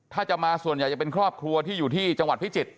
ถ้าจะมาส่วนใหญ่จะเป็นครอบครัวที่อยู่ที่จังหวัดพิจิตร